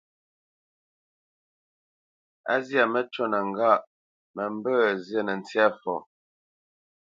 A zyâ məcûnə ŋgâʼ: mə mbə̄ zînə ntsyâ fɔ.